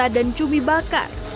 gurita dan cumi bakar